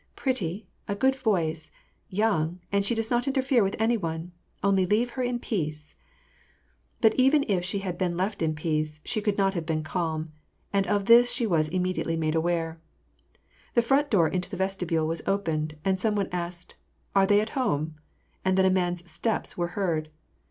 "Pretty, a good voice, young, and she does not interfere with any one : only leave her in peace !" But even if she had been left in peace, she could not have been calm ; and of this she was immediately made aware. The front door into the vestibule was opened, and some one asked, —" Are they at home ?" and then a man's steps were heard.